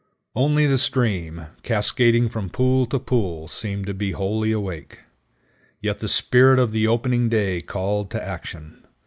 Only the stream, cascading from pool to pool, seemed to be wholly awake. Yet the spirit of the opening day called to action.